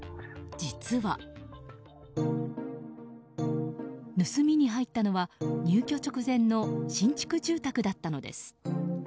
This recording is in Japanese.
実は、盗みに入ったのは入居直前の新築住宅だったのです。